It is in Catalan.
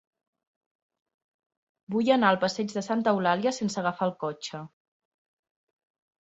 Vull anar al passeig de Santa Eulàlia sense agafar el cotxe.